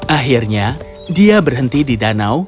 akhirnya dia berhenti di danau